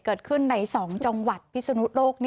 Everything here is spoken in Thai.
เกิดขึ้นในสองจังหวัดพิษนุโรค